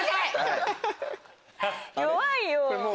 弱いよ。